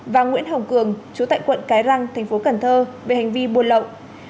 và nguyễn hồng cường trú tại quận cái răng thành phố cần thơ về hành vi buồn lậu